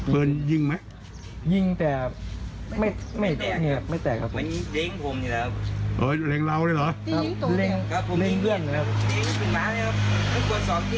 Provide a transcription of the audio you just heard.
กว่าสองที่ครับกว่าสองที่ครับก็แตก